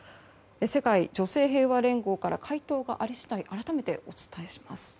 世界平和女性連合から回答があり次第改めてお伝えします。